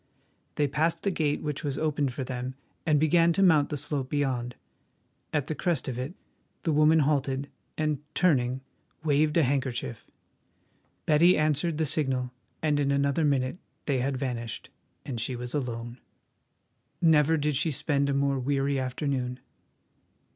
They passed the gate which was opened for them and began to mount the slope beyond. At the crest of it the woman halted and, turning, waved a handkerchief. Betty answered the signal, and in another minute they had vanished, and she was alone. Never did she spend a more weary afternoon.